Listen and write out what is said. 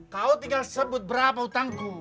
kau tinggal sebut berapa utangku